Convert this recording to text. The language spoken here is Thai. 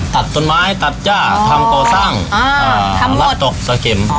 ตัดต้นไม้ตัดจ้าทำต่อสร้างอ่าทำหมดสะเข็มอ๋อ